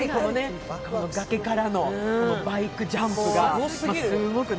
崖からのバイクジャンプがすごくね。